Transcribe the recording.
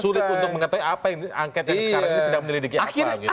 kemudian menjadi sulit untuk mengetahui apa yang angket yang sekarang ini sedang menyelidiki apa